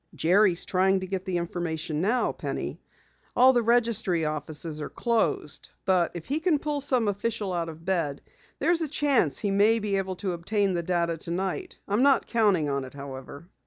"Jerry is trying to get the information now, Penny. All the registry offices are closed, but if he can pull some official out of bed, there's a chance he may obtain the data tonight. I'm not counting on it, however."